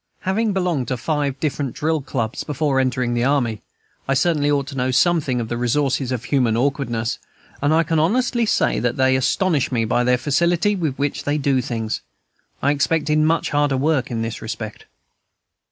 Having belonged to five different drill clubs before entering the army, I certainly ought to know something of the resources of human awkwardness, and I can honestly say that they astonish me by the facility with which they do things. I expected much harder work in this respect.